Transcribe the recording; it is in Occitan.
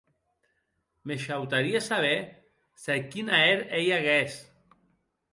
Me shautarie saber se quin ahèr ei aguest.